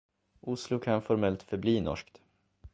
Oslo kan formellt förbli norskt.